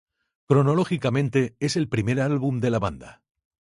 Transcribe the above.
Cronológicamente, es el primer álbum de la banda.